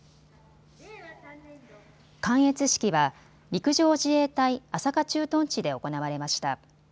観閲式は陸上自衛隊朝霞駐屯地で行われました。